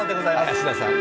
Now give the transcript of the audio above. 林田さん